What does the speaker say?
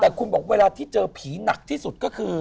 แต่คุณบอกเวลาที่เจอผีหนักที่สุดก็คือ